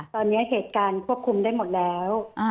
ตอนนี้เหตุการณ์ควบคุมได้หมดแล้ว